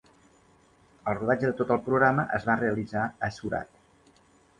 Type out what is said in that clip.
El rodatge de tot el programa es va realitzar a Surat.